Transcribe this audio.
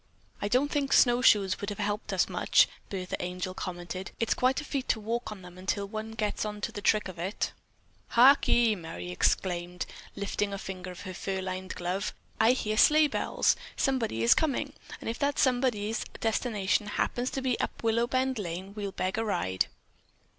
"I don't think snowshoes would have helped us much," Bertha Angel commented. "It's quite a feat to walk on them until one gets on to the trick of it." "Hark ye!" Merry exclaimed, lifting a finger of her fur lined glove. "I hear sleigh bells! Somebody is coming, and if that somebody's destination happens to be up Willowbend Lane, we'll beg a ride."